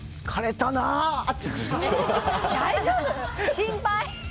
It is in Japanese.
心配。